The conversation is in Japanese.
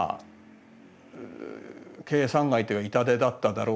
計算外というか痛手だっただろうし。